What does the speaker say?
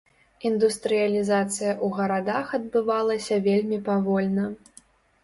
Індустрыялізацыя ў гарадах адбывалася вельмі павольна.